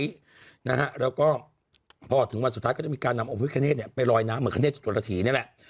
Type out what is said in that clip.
แล้วก็พอถึงวันสุดท้ายก็จะมีการนำอบพิธีเทศไปรอยน้ำเหมือนเทศจุดละที่นี่แหละ